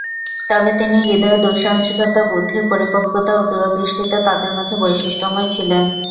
তবে তিনি হৃদয়ের দুঃসাহসিকতা, বুদ্ধির পরিপক্কতা ও দূরদৃষ্টিতে তাদের মাঝে বৈশিষ্ট্যময় ছিলেন।